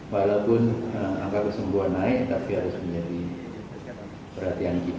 walaupun angka kesembuhan naik tapi harus menjadi perhatian kita